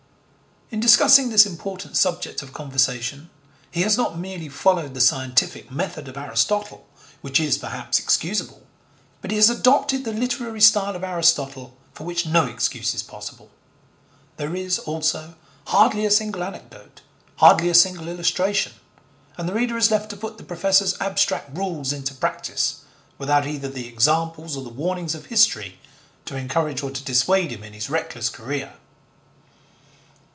In discussing this important subject of conversation, he has not merely followed the scientific method of Aristotle which is, perhaps, excusable, but he has adopted the literary style of Aristotle for which no excuse is possible. There is, also, hardly a single anecdote, hardly a single illustration, and the reader is left to put the Professor's abstract rules into practice, without either the examples or the warnings of history to encourage or to dissuade him in his reckless career.